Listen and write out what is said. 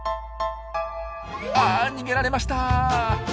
あ逃げられました。